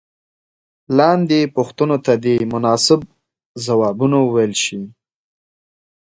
لاندې پوښتنو ته دې مناسب ځوابونه وویل شي.